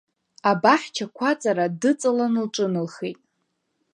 Абаҳча-қәаҵара дыҵалан лҿыналхеит.